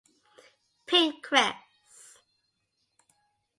Pink Cres.